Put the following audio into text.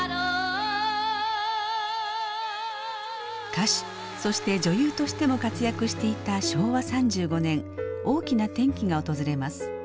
歌手そして女優としても活躍していた昭和３５年大きな転機が訪れます。